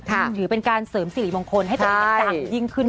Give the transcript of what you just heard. ถือเป็นการเสริมสิริมงคลให้ตัวเองดังยิ่งขึ้น